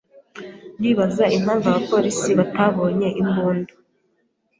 Ndibaza impamvu abapolisi batabonye imbunda.